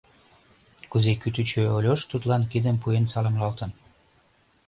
Кузе кӱтӱчӧ Ольош Тудлан кидым пуэн саламлалтын.